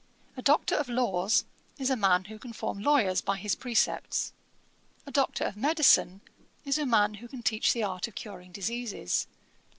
A Doctor of Laws is a man who can form lawyers by his precepts. A Doctor of Medicine is a man who can teach the art of curing diseases.